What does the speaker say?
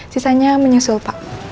sisanya menyusul pak